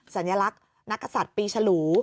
สัญลักษณ์นักศัตริย์ปีชะหรู